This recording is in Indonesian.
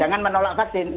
dan jangan menolak vaksin